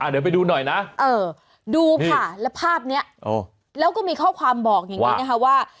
เดี๋ยวไปดูหน่อยนะดูค่ะแล้วภาพนี้แล้วก็มีข้อความบอกอย่างนี้นะคะว่า